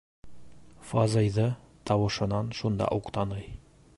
Фазыйҙы тауышынан шунда уҡ таный.